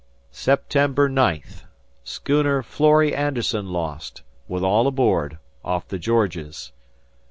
"September 9th. Schooner Florrie Anderson lost, with all aboard, off the Georges.